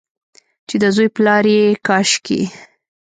چې د زوی پلا یې کاشکي،